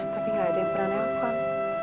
tapi nggak ada yang pernah nelpon